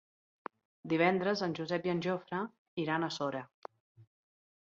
Divendres en Josep i en Jofre iran a Sora.